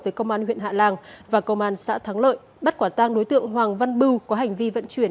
với công an huyện hạ làng và công an xã thắng lợi bắt quả tang đối tượng hoàng văn bưu có hành vi vận chuyển